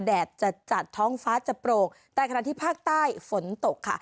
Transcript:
แดดจะจัดท้องฟ้าจะโปร่งแต่ขณะที่ภาคใต้ฝนตกค่ะ